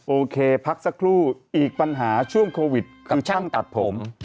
โอเคพักสักครู่อีกปัญหาช่วงโควิดคือช่างตัดผม